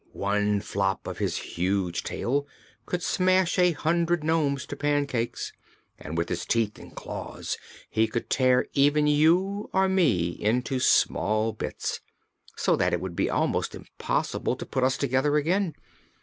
One flop of his huge tail could smash a hundred nomes to pancakes, and with teeth and claws he could tear even you or me into small bits, so that it would be almost impossible to put us together again.